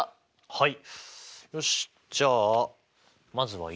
はい。